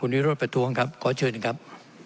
วิโรธประท้วงครับขอเชิญนะครับ